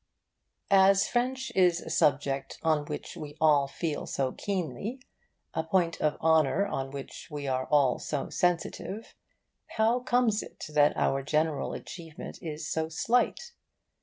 As French is a subject on which we all feel so keenly, a point of honour on which we are all so sensitive, how comes it that our general achievement is so slight?